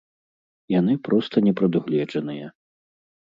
Яны проста не прадугледжаныя.